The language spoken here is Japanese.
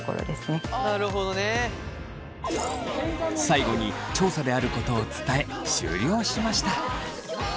最後に調査であることを伝え終了しました。